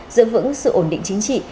giữ vững sự ổn định chính trị